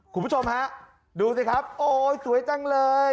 คุณผู้ชมฮะดูสิครับโอ้ยสวยจังเลย